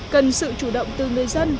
cần sự chủ động từ người dân